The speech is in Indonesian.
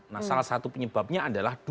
nah salah satu penyebabnya adalah dua calon ini